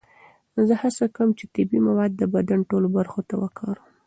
زه هڅه کوم چې طبیعي مواد د بدن ټولو برخو ته وکاروم.